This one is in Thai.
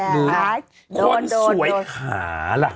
หรือคนสวยขาล่ะ